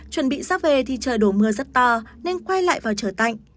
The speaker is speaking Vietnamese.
chuẩn bị sắp về thì trời đổ mưa rất to nên quay lại vào trời tạnh